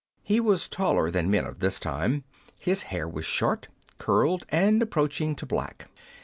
He was taller than men of this time ; his hair was short, curled, and approaching to black.